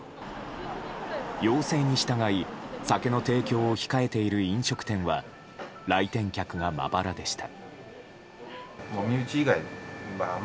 要請に従い酒の提供を控えている飲食店は来店客がまばらでした。